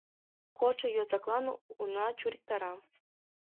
Кодшо йозаклан уна чуриктара.